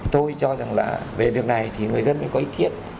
tôi cho rằng là về việc này thì người dân mới có ý kiến